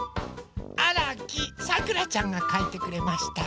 あらきさくらちゃんがかいてくれました。